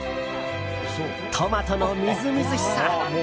トマトのみずみずしさ。